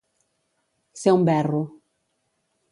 Ser un verro.